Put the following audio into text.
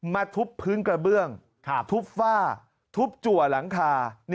ทุบพื้นกระเบื้องทุบฝ้าทุบจัวหลังคา